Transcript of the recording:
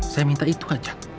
saya minta itu aja